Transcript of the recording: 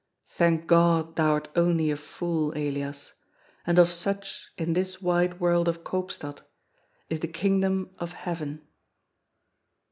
Thank God, thou art only a fool, Elias; and of such, in this wide world of Koopstad, is the Kingdom of Heaven.